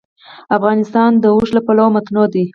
افغانستان د اوښ له پلوه متنوع دی.